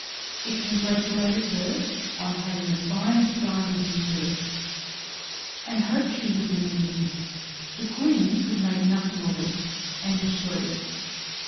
It congratulated her on having the finest diamonds in Europe, and hoped she would remember him. The Queen could make nothing of it, and destroyed it.